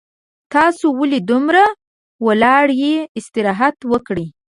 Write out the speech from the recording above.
تاسو ولې دومره ولاړ یي استراحت وکړئ